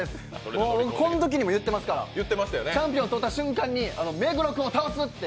このときにも言ってますからチャンピオンになった瞬間に目黒君を倒すって。